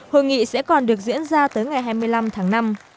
hội nghị sẽ còn được diễn ra tới ngày hai mươi năm tháng năm